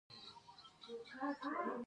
سوداګر چې کومه ګټه په لاس راوړي